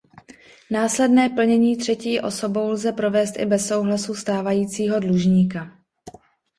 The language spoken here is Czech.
Následné plnění třetí osobou lze provést i bez souhlasu stávajícího dlužníka.